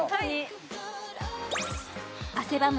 汗ばむ